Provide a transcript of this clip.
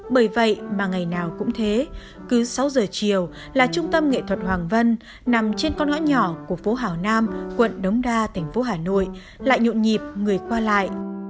bởi vậy mà ngày nào cũng thế cứ sáu giờ chiều là trung tâm nghệ thuật hoàng vân nằm trên con ngõ nhỏ của phố hào nam quận đống đa thành phố hà nội lại nhộn nhịp người qua lại